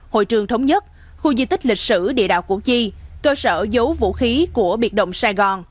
hội trường thống nhất khu di tích lịch sử địa đạo củ chi cơ sở giấu vũ khí của biệt động sài gòn